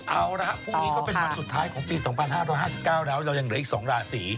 เอาละพรุ่งนี้ก็เป็นวันสุดท้ายของปี๒๕๕๙แล้วเรายังเหลืออีก๒ราศี